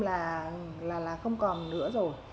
là không còn nữa rồi